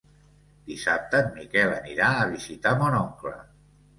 Dissabte en Miquel anirà a visitar mon oncle.